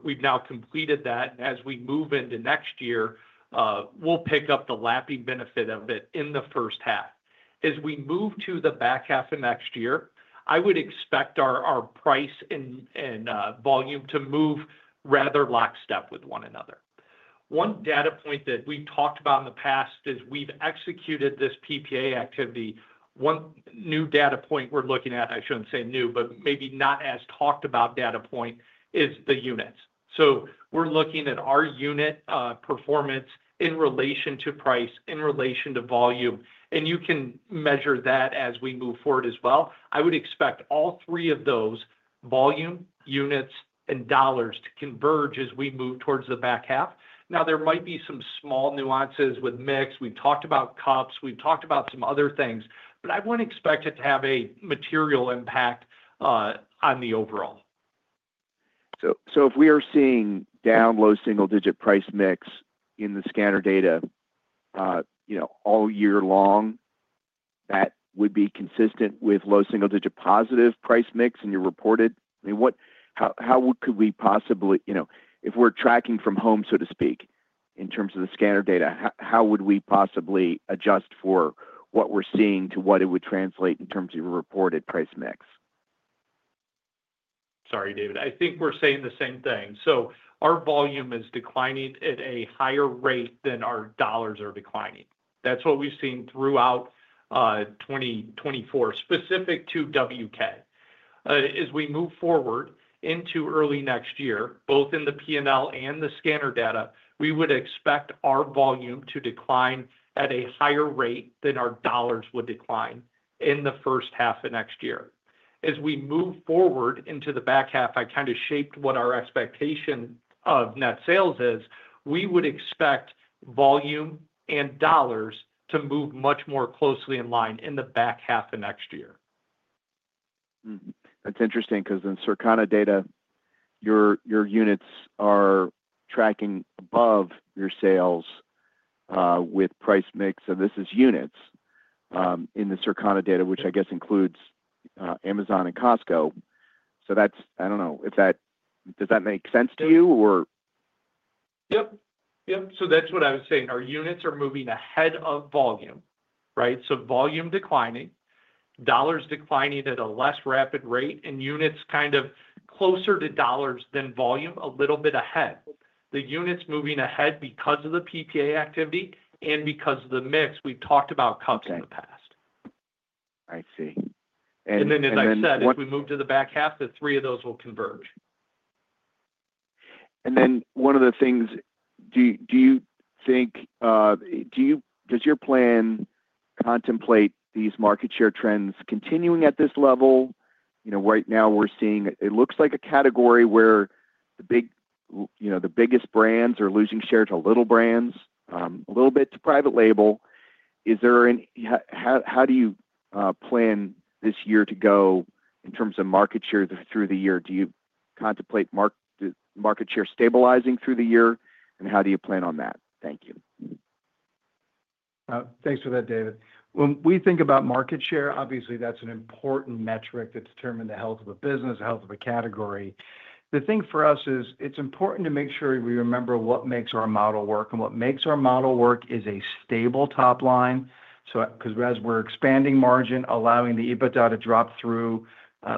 We've now completed that. And as we move into next year, we'll pick up the lapping benefit of it in the first half. As we move to the back half of next year, I would expect our price and volume to move rather lockstep with one another. One data point that we've talked about in the past is we've executed this PPA activity. One new data point we're looking at, I shouldn't say new, but maybe not as talked about data point is the units. So we're looking at our unit performance in relation to price, in relation to volume. And you can measure that as we move forward as well. I would expect all three of those, volume, units, and dollars to converge as we move towards the back half. Now, there might be some small nuances with mix. We've talked about cups. We've talked about some other things. But I wouldn't expect it to have a material impact on the overall. So if we are seeing down low single-digit price mix in the scanner data all year long, that would be consistent with low single-digit positive price mix in your reported? I mean, how could we possibly, if we're tracking from home, so to speak, in terms of the scanner data, how would we possibly adjust for what we're seeing to what it would translate in terms of your reported price mix? Sorry, David. I think we're saying the same thing. So our volume is declining at a higher rate than our dollars are declining. That's what we've seen throughout 2024, specific to WK. As we move forward into early next year, both in the P&L and the scanner data, we would expect our volume to decline at a higher rate than our dollars would decline in the first half of next year. As we move forward into the back half, I kind of shaped what our expectation of net sales is. We would expect volume and dollars to move much more closely in line in the back half of next year. That's interesting because in Circana data, your units are tracking above your sales with price mix. And this is units in the Circana data, which I guess includes Amazon and Costco. So I don't know. Does that make sense to you? Yep. Yep. So that's what I was saying. Our units are moving ahead of volume, right? So, volume declining, dollars declining at a less rapid rate, and units kind of closer to dollars than volume, a little bit ahead. The units moving ahead because of the PPA activity and because of the mix. We've talked about cups in the past. I see. And then, as I said, as we move to the back half, the three of those will converge. And then one of the things, do you think does your plan contemplate these market share trends continuing at this level? Right now, we're seeing it looks like a category where the biggest brands are losing shares to little brands, a little bit to private label. How do you plan this year to go in terms of market share through the year? Do you contemplate market share stabilizing through the year? And how do you plan on that? Thank you. Thanks for that, David. When we think about market share, obviously, that's an important metric that determines the health of a business, the health of a category. The thing for us is it's important to make sure we remember what makes our model work. And what makes our model work is a stable top line. Because as we're expanding margin, allowing the EBITDA to drop through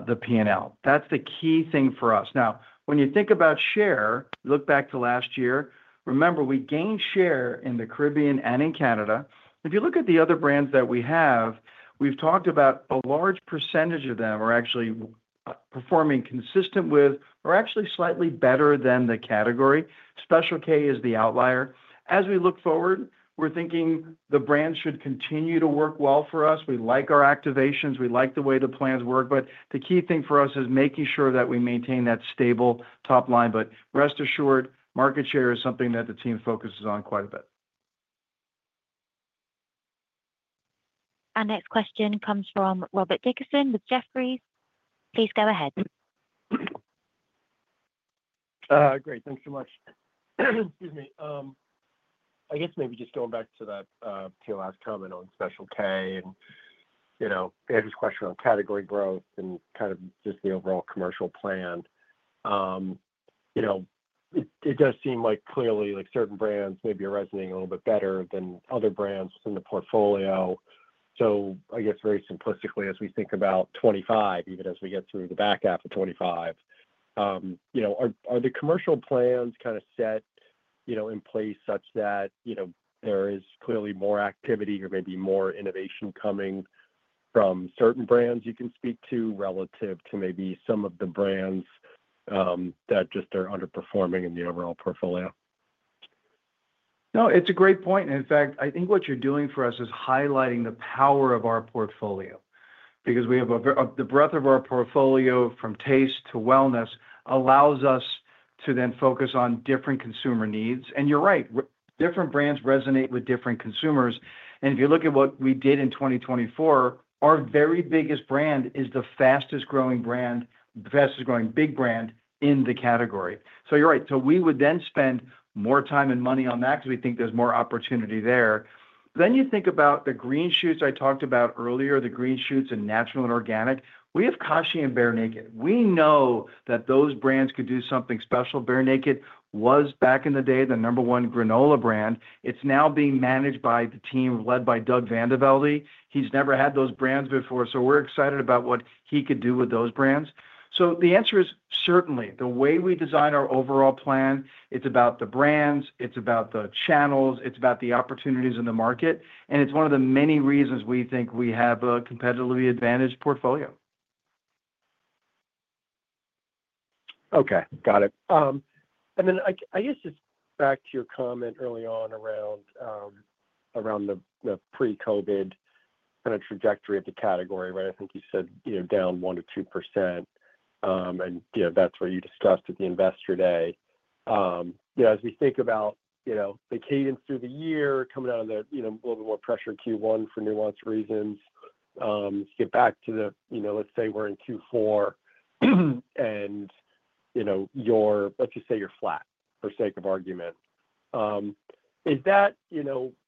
the P&L. That's the key thing for us. Now, when you think about share, look back to last year. Remember, we gained share in the Caribbean and in Canada. If you look at the other brands that we have, we've talked about a large percentage of them are actually performing consistent with or actually slightly better than the category. Special K is the outlier. As we look forward, we're thinking the brands should continue to work well for us. We like our activations. We like the way the plans work. But the key thing for us is making sure that we maintain that stable top line. But rest assured, market share is something that the team focuses on quite a bit. Our next question comes from Robert Dickerson with Jefferies. Please go ahead. Great. Thanks so much. Excuse me. I guess maybe just going back to that last comment on Special K and Andrew's question on category growth and kind of just the overall commercial plan. It does seem like clearly certain brands may be resonating a little bit better than other brands in the portfolio. So I guess very simplistically, as we think about 2025, even as we get through the back half of 2025, are the commercial plans kind of set in place such that there is clearly more activity or maybe more innovation coming from certain brands you can speak to relative to maybe some of the brands that just are underperforming in the overall portfolio? No, it's a great point. And in fact, I think what you're doing for us is highlighting the power of our portfolio because we have the breadth of our portfolio from taste to wellness allows us to then focus on different consumer needs. And you're right. Different brands resonate with different consumers. And if you look at what we did in 2024, our very biggest brand is the fastest-growing brand, fastest-growing big brand in the category. So you're right. So we would then spend more time and money on that because we think there's more opportunity there. Then you think about the green shoots I talked about earlier, the green shoots and natural and organic. We have Kashi and Bear Naked. We know that those brands could do something special. Bear Naked was back in the day the number one granola brand. It's now being managed by the team led by Doug VanDeVelde. He's never had those brands before. So we're excited about what he could do with those brands. So the answer is certainly the way we design our overall plan, it's about the brands, it's about the channels, it's about the opportunities in the market. And it's one of the many reasons we think we have a competitively advantaged portfolio. Okay. Got it. And then I guess just back to your comment early on around the pre-COVID kind of trajectory of the category, right? I think you said down 1%-2%. And that's what you discussed at the investor day. As we think about the cadence through the year coming out of the a little bit more pressure Q1 for nuanced reasons, you get back to the let's say we're in Q4 and let's just say you're flat for sake of argument.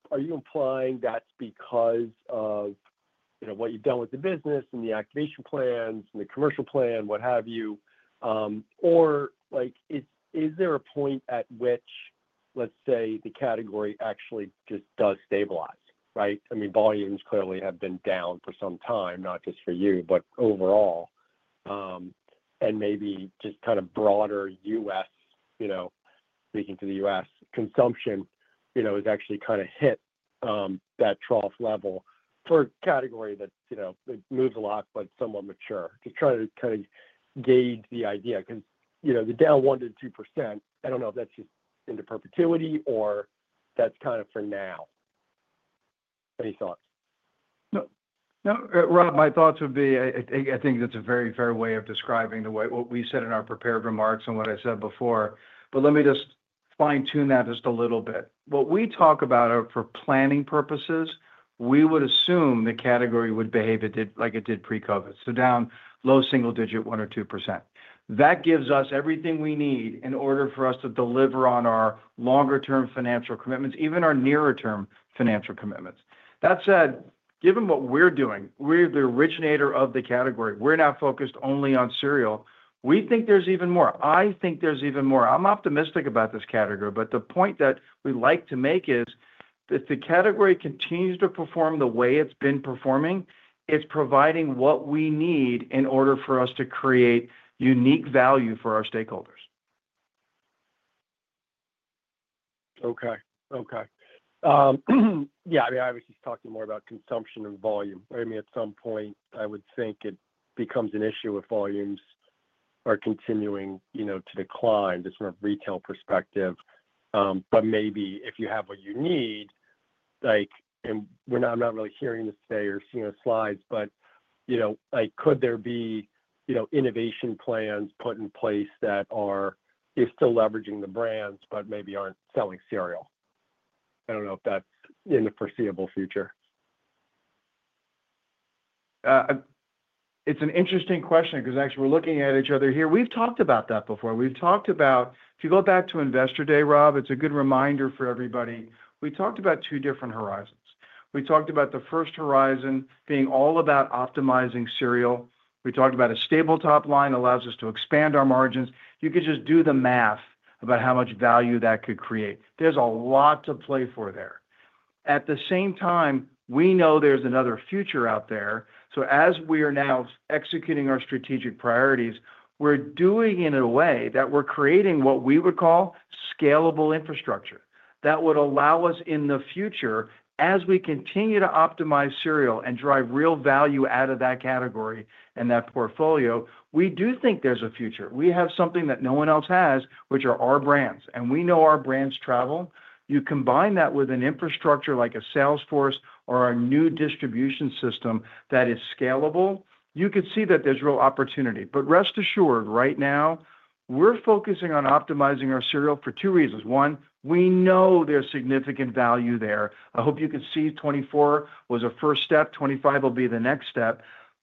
Are you implying that's because of what you've done with the business and the activation plans and the commercial plan, what have you? Or is there a point at which, let's say, the category actually just does stabilize, right? I mean, volumes clearly have been down for some time, not just for you, but overall. And maybe just kind of broader U.S., speaking to the U.S., consumption has actually kind of hit that trough level for a category that moves a lot but somewhat mature. Just trying to kind of gauge the idea because the down 1%-2%, I don't know if that's just into perpetuity or that's kind of for now. Any thoughts? No. No, Rob, my thoughts would be I think that's a very fair way of describing what we said in our prepared remarks and what I said before. But let me just fine-tune that just a little bit. What we talk about for planning purposes, we would assume the category would behave like it did pre-COVID. So down low single-digit 1%-2%. That gives us everything we need in order for us to deliver on our longer-term financial commitments, even our nearer-term financial commitments. That said, given what we're doing, we're the originator of the category. We're now focused only on cereal. We think there's even more. I think there's even more. I'm optimistic about this category. But the point that we'd like to make is that the category continues to perform the way it's been performing. It's providing what we need in order for us to create unique value for our stakeholders. Okay. Okay. Yeah. I mean, obviously, he's talking more about consumption and volume. I mean, at some point, I would think it becomes an issue if volumes are continuing to decline just from a retail perspective. But maybe if you have what you need, and I'm not really hearing this today or seeing the slides, but could there be innovation plans put in place that are still leveraging the brands but maybe aren't selling cereal? I don't know if that's in the foreseeable future. It's an interesting question because actually, we're looking at each other here. We've talked about that before. We've talked about if you go back to investor day, Rob, it's a good reminder for everybody. We talked about two different horizons. We talked about the first horizon being all about optimizing cereal. We talked about a stable top line allows us to expand our margins. You could just do the math about how much value that could create. There's a lot to play for there. At the same time, we know there's another future out there. So as we are now executing our strategic priorities, we're doing it in a way that we're creating what we would call scalable infrastructure that would allow us in the future, as we continue to optimize cereal and drive real value out of that category and that portfolio, we do think there's a future. We have something that no one else has, which are our brands. And we know our brands travel. You combine that with an infrastructure like a sales force or a new distribution system that is scalable, you could see that there's real opportunity. But rest assured, right now, we're focusing on optimizing our cereal for two reasons. One, we know there's significant value there. I hope you could see 2024 was a first step. 2025 will be the next step.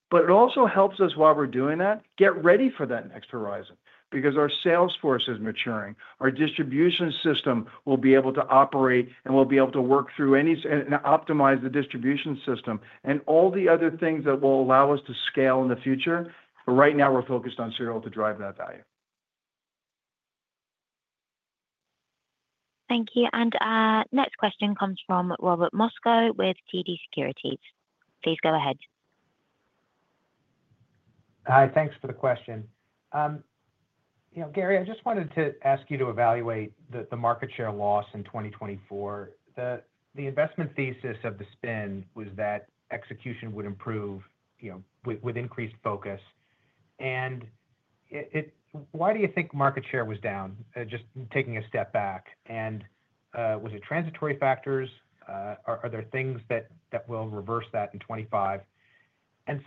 But it also helps us while we're doing that, get ready for that next horizon because our sales force is maturing. Our distribution system will be able to operate and will be able to work through and optimize the distribution system and all the other things that will allow us to scale in the future. But right now, we're focused on cereal to drive that value. Thank you. And next question comes from Robert Moskow with TD Securities. Please go ahead. Hi. Thanks for the question. Gary, I just wanted to ask you to evaluate the market share loss in 2024. The investment thesis of the spin was that execution would improve with increased focus. And why do you think market share was down? Just taking a step back. And was it transitory factors? Are there things that will reverse that in 2025?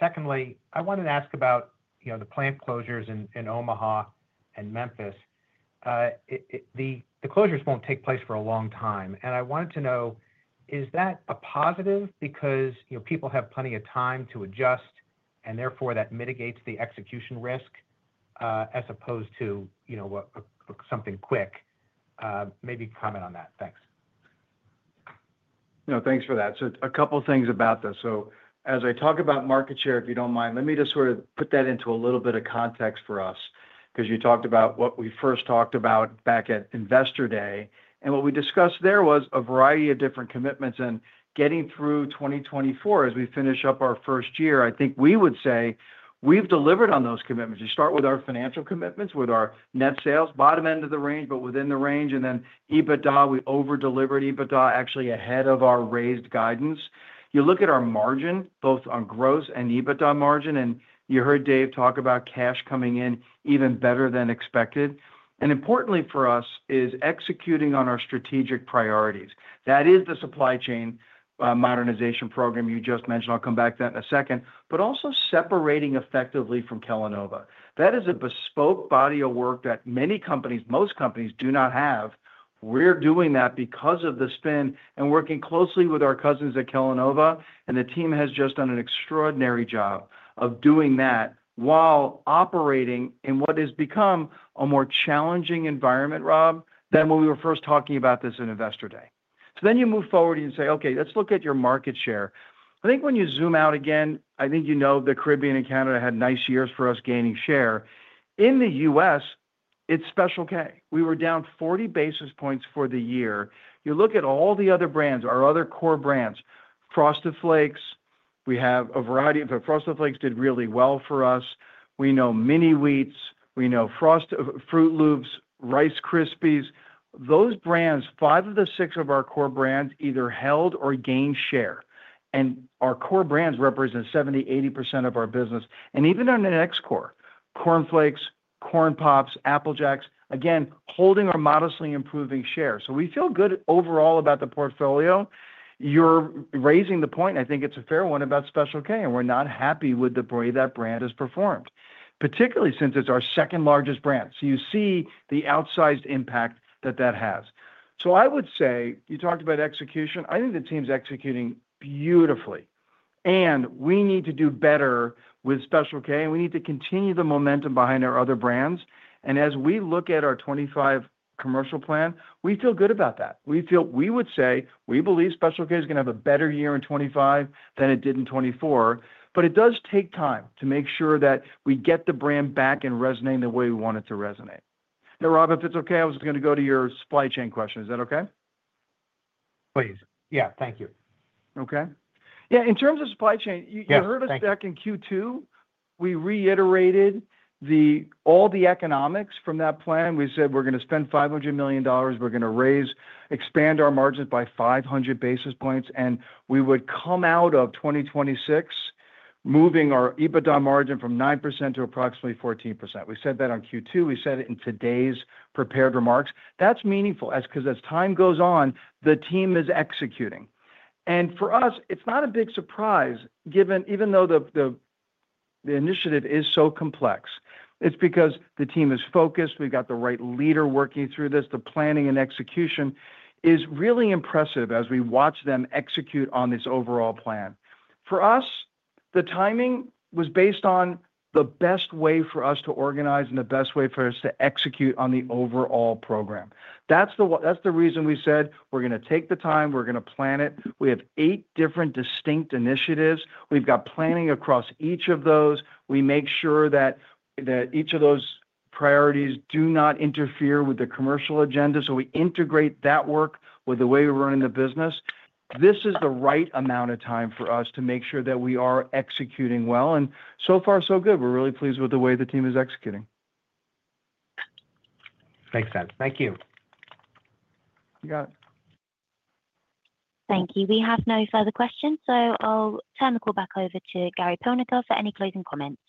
Secondly, I wanted to ask about the plant closures in Omaha and Memphis. The closures won't take place for a long time. I wanted to know, is that a positive because people have plenty of time to adjust, and therefore, that mitigates the execution risk as opposed to something quick? Maybe comment on that. Thanks. No, thanks for that. A couple of things about this. As I talk about market share, if you don't mind, let me just sort of put that into a little bit of context for us because you talked about what we first talked about back at investor day. What we discussed there was a variety of different commitments. Getting through 2024, as we finish up our first year, I think we would say we've delivered on those commitments. You start with our financial commitments, with our net sales, bottom end of the range, but within the range. And then EBITDA, we over-delivered EBITDA actually ahead of our raised guidance. You look at our margin, both on gross and EBITDA margin. And you heard Dave talk about cash coming in even better than expected. And importantly for us is executing on our strategic priorities. That is the supply chain modernization program you just mentioned. I'll come back to that in a second. But also separating effectively from Kellanova. That is a bespoke body of work that many companies, most companies do not have. We're doing that because of the spin and working closely with our cousins at Kellanova. The team has just done an extraordinary job of doing that while operating in what has become a more challenging environment, Rob, than when we were first talking about this at investor day. You move forward and you say, "Okay, let's look at your market share." I think when you zoom out again, I think you know the Caribbean and Canada had nice years for us gaining share. In the U.S., it's Special K. We were down 40 basis points for the year. You look at all the other brands, our other core brands, Frosted Flakes. We have a variety of Frosted Flakes did really well for us. We know Mini Wheats. We know Frosted Froot Loops, Rice Krispies. Those brands, five of the six of our core brands either held or gained share. Our core brands represent 70%-80% of our business. Even on an ex-core, Corn Flakes, Corn Pops, Apple Jacks, again, holding or modestly improving share. So we feel good overall about the portfolio. You're raising the point, and I think it's a fair one about Special K. And we're not happy with the way that brand has performed, particularly since it's our second largest brand. So you see the outsized impact that that has. So I would say you talked about execution. I think the team's executing beautifully. And we need to do better with Special K. And we need to continue the momentum behind our other brands. And as we look at our 2025 commercial plan, we feel good about that. We would say we believe Special K is going to have a better year in 2025 than it did in 2024. But it does take time to make sure that we get the brand back and resonate in the way we want it to resonate. Now, Rob, if it's okay, I was going to go to your supply chain question. Is that okay? Please. Yeah. Thank you. Okay. Yeah. In terms of supply chain, you heard us back in Q2. We reiterated all the economics from that plan. We said we're going to spend $500 million. We're going to raise, expand our margins by 500 basis points. And we would come out of 2026 moving our EBITDA margin from 9% to approximately 14%. We said that on Q2. We said it in today's prepared remarks. That's meaningful because as time goes on, the team is executing. And for us, it's not a big surprise, even though the initiative is so complex. It's because the team is focused. We've got the right leader working through this. The planning and execution is really impressive as we watch them execute on this overall plan. For us, the timing was based on the best way for us to organize and the best way for us to execute on the overall program. That's the reason we said we're going to take the time. We're going to plan it. We have eight different distinct initiatives. We've got planning across each of those. We make sure that each of those priorities do not interfere with the commercial agenda. So we integrate that work with the way we're running the business. This is the right amount of time for us to make sure that we are executing well, and so far, so good. We're really pleased with the way the team is executing. Makes sense. Thank you. You got it. Thank you. We have no further questions. So I'll turn the call back over to Gary Pilnick for any closing comments.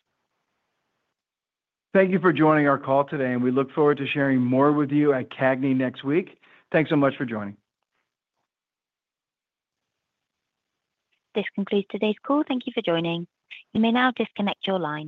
Thank you for joining our call today. We look forward to sharing more with you at CAGNY next week. Thanks so much for joining. This concludes today's call. Thank you for joining. You may now disconnect your line.